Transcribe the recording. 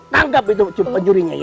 nanggep itu penjurinya ya